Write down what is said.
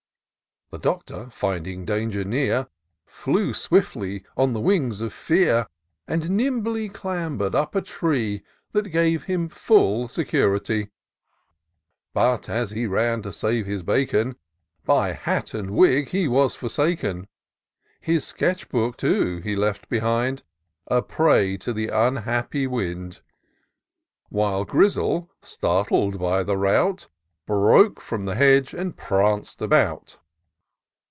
The Doctor, finding danger near, Hew swiftly on the wings of fear, And nimbly clamber'd up a tree, That gave him full security ; But as he ran to save his bacon. By hat and wig he was forsaken ; His sketch book too, he left behind, A prey to the unlucky wind: While Grizzle, startled by the rout. Broke from the hedge, and pranc'd about.